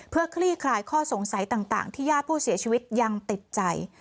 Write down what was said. เพื่อคลี่คลายข้อสงสัยต่างที่ญาติผู้เสียชีวิตยังติดใจ